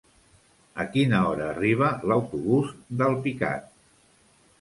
A quina hora arriba l'autobús d'Alpicat?